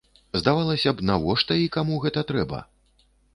Здавалася б, навошта і каму гэта трэба?